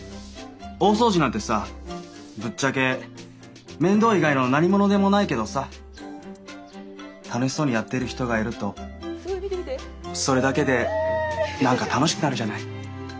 大掃除なんてさぶっちゃけ面倒以外の何物でもないけどさ楽しそうにやってる人がいるとそれだけで何か楽しくなるじゃない。